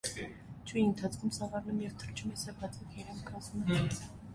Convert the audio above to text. Չուի ընթացքում սավառնում և թռչում է սեպաձև երամ կազմած։